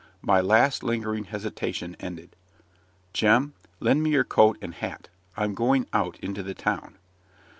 My last lingering hesitation ended. "Jem, lend me your coat and hat I'm going out into the town."